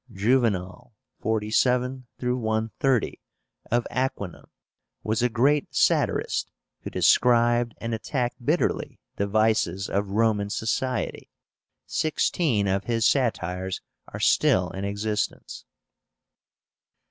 JUVENAL(47 130), of Aquínum, was a great satirist, who described and attacked bitterly the vices of Roman society. Sixteen of his satires are still in existence.